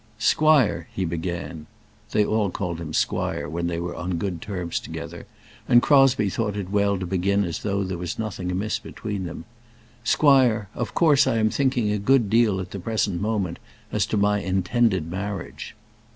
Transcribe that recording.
"Squire," he began. They all called him squire when they were on good terms together, and Crosbie thought it well to begin as though there was nothing amiss between them. "Squire, of course I am thinking a good deal at the present moment as to my intended marriage."